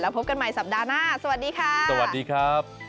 แล้วพบกันใหม่สัปดาห์หน้าสวัสดีค่ะ